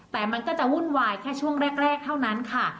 แต่มันก็จะวุ่นวายแค่ช่วงแรกเท่านั้นค่ะ